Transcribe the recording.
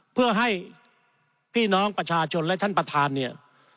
เพื่อให้พี่น้องประชาชนและท่านประธานเนี่ย